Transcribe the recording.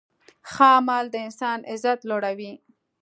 ښه عمل د انسان عزت لوړوي.